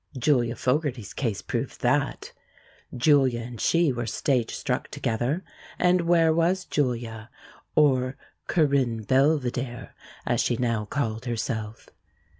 Julia Fogarty's case proved that. Julia and she were stage struck together, and where was Julia or Corynne Belvedere, as she now called herself?